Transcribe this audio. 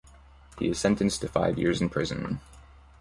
He is sentenced to five years in prison.